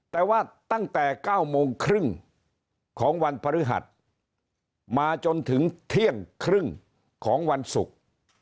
แต่ว่าตั้งแต่๙โมงครึ่งของวันพฤหัสมาจนถึงเที่ยงครึ่งของวันศุกร์